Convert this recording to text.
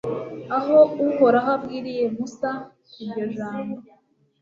aho uhoraho abwiriye musa iryo jambo